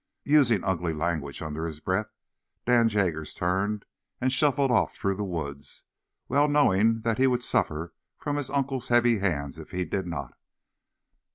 Using ugly language under his breath, Dan Jaggers turned and shuffled off through the woods, well knowing that he would suffer from his uncle's heavy hands if he did not.